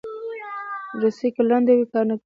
رسۍ که لنډه وي، کار نه کوي.